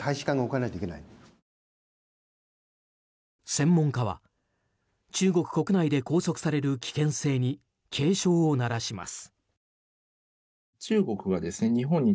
専門家は中国国内で拘束される危険性に警鐘を鳴らします。